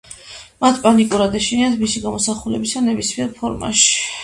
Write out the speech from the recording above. მათ პანიკურად ეშინიათ მისი გამოსახულებისა ნებისმიერ ფორმაში.